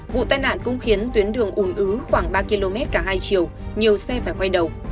vụ tai nạn cũng khiến tuyến đường ùn ứ khoảng ba km cả hai chiều nhiều xe phải quay đầu